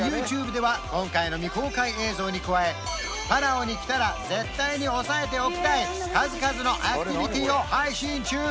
ＹｏｕＴｕｂｅでは今回の未公開映像に加えパラオに来たら絶対に押さえておきたい数々のアクティビティを配信中！